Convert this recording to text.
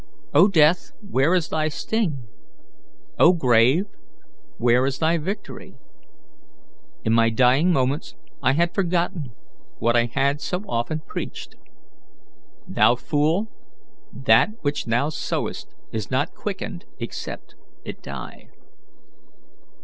"'O Death, where is thy sting? O Grave, where is thy victory?' In my dying moments I had forgotten what I had so often preached 'Thou fool, that which thou sowest is not quickened except it die.'